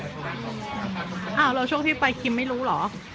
อ้าวแล้วช่วงที่ไปคิมไม่รู้เหรอ